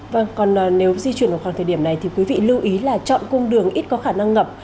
vâng còn nếu di chuyển vào khoảng thời điểm này thì quý vị lưu ý là chọn cung đường ít có khả năng ngập